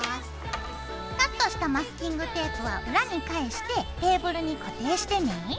カットしたマスキングテープは裏に返してテーブルに固定してね。